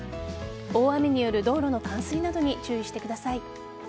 大雨による道路の冠水などに注意してください。